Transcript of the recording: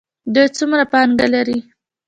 دوی څومره پانګه لري؟